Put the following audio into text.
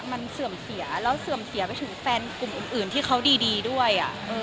มันเสื่อมเสียแล้วเสื่อมเสียไปถึงแฟนกลุ่มอื่นที่เขาดีด้วย